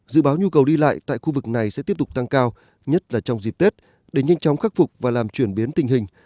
dự báo nhu cầu đi lại tại khu vực này sẽ tiếp tục tăng cao nhất là trong dịp tết để nhanh chóng khắc phục và làm chuyển biến tình hình